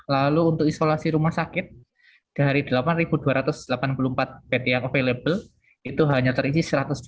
lalu untuk isolasi rumah sakit dari delapan dua ratus delapan puluh empat bed yang available itu hanya terisi satu ratus dua puluh